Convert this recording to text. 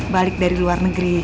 balik dari luar negeri